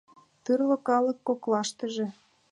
Тӱрлӧ калык коклаштыже